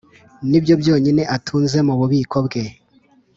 Ni byo byonyine atunze mu bubiko bwe